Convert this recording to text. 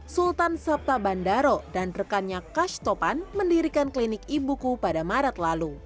sultan sabta bandaro dan rekannya kash topan mendirikan klinik ibuku pada maret lalu